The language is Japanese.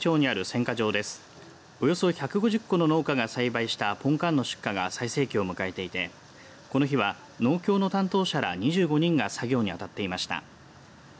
およそ１５０戸の農家が栽培したぽんかんの出荷が最盛期を迎えていてこの日は農協の担当者ら２５人が作業にあたっていました。